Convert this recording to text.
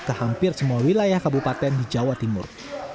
ke hampir semua wilayah kabupaten di jawa timur